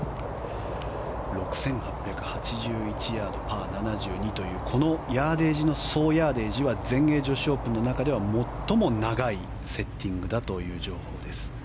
６８８１ヤードパー７２という総ヤーデージは全英女子オープンの中では最も長いセッティングだという情報です。